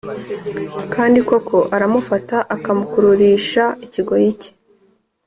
Kandi koko aramufata akamukururisha ikigoyi cye